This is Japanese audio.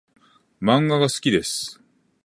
漫画が好きです